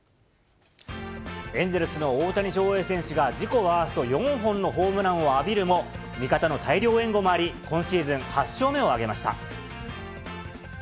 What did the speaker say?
エンゼルスの大谷翔平選手が、自己ワースト４本のホームランを浴びるも、味方の大量援護もあり、今シーズン８勝目を挙げました。